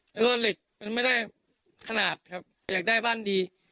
แล้วก็เหล็กมันไม่ได้ขนาดครับอยากได้บ้านดี